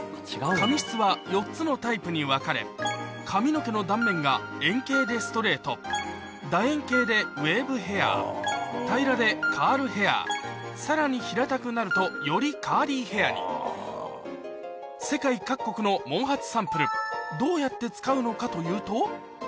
髪質は４つのタイプに分かれ髪の毛の断面が円形でストレート楕円形でウェーブヘア平らでカールヘアさらに平たくなるとよりカーリーヘアに世界各国のここに。